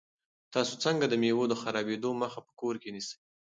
تاسو څنګه د مېوو د خرابېدو مخه په کور کې نیسئ؟